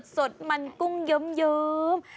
สดมันกุ้งเยิ้ม